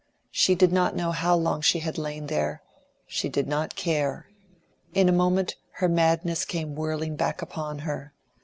She did not know how long she had lain there, she did not care. In a moment her madness came whirling back upon her.